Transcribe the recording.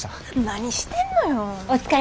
何してんのよ！